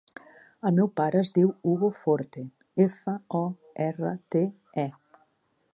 El meu pare es diu Hugo Forte: efa, o, erra, te, e.